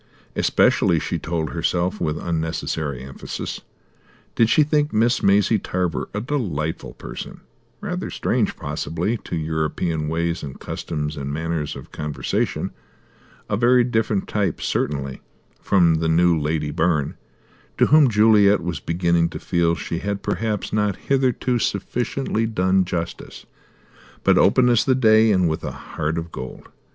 Especially, she told herself with unnecessary emphasis, did she think Miss Maisie Tarver a delightful person; rather strange, possibly, to European ways and customs and manner of conversation, a very different type, certainly, from the new Lady Byrne to whom Juliet was beginning to feel she had perhaps not hitherto sufficiently done justice but open as the day, and with a heart of gold.